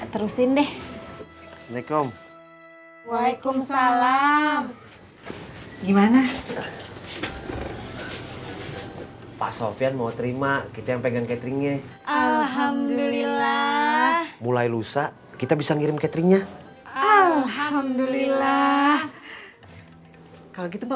tersinggung gak jadi nelfon